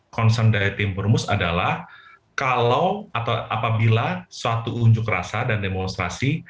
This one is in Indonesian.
concern dari tim perumus adalah kalau atau apabila suatu unjuk rasa dan demonstrasi